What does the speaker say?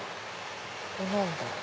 ここ何だ？